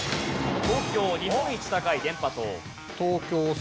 東京日本一高い電波塔。